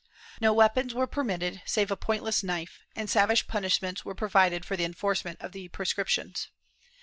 No weapons were permitted, save a pointless knife, and savage punishments were provided for the enforcement of the prescriptions.